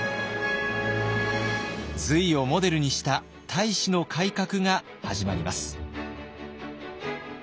隋をモデルにした太子の改革が始まります。